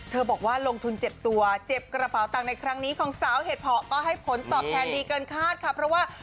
บอกว่าลงทุนเจ็บตัวเจ็บกระเป๋าตังค์ในครั้งนี้ของสาวเห็ดเพาะก็ให้ผลตอบแทนดีเกินคาดค่ะเพราะว่า